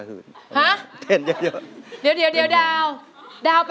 ครับ